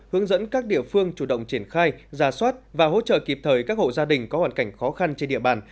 hướng dẫn các địa phương chủ động triển khai giả soát và hỗ trợ kịp thời các hộ gia đình có hoàn cảnh khó khăn trên địa bàn